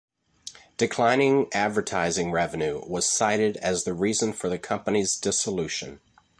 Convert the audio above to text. Declining advertising revenue was cited as the reason for the company's dissolution.